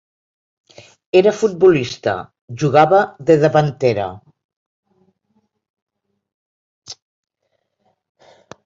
Era futbolista, jugava de davantera.